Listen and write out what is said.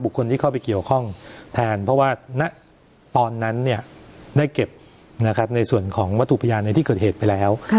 คนที่เข้าไปเกี่ยวข้องแทนเพราะว่าณตอนนั้นได้เก็บในส่วนของวัตถุพยานในที่เกิดเหตุไปแล้ว